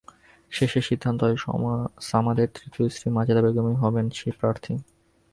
শেষে সিদ্ধান্ত হয়, সামাদের তৃতীয় স্ত্রী মাজেদা বেগমই হবেন সেই প্রার্থী।